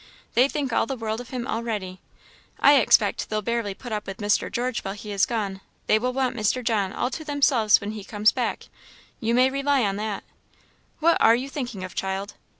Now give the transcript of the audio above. They think all the world of him already. I expect they'll barely put up with Mr. George while he is gone; they will want Mr. John all to themselves when he comes back, you may rely on that. What are you thinking of, child?"